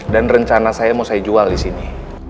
dan rencana saya mau saya jual disini